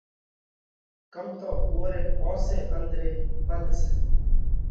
ڪم تو اُوئون ري پونس ئي انۮري ڀنڌ سئہ۔